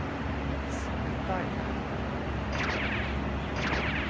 冷たいね。